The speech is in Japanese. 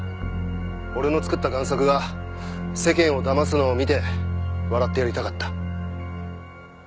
俺の作った贋作が世間をだますのを見て笑ってやりたかった。